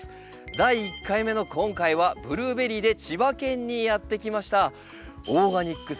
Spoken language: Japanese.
第１回目の今回は「ブルーベリー」で千葉県にやって来ました。